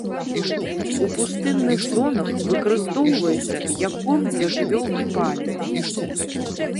У пустынных зонах выкарыстоўваецца як корм для жывёл і паліва.